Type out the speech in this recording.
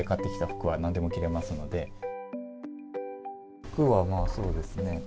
服は、そうですね。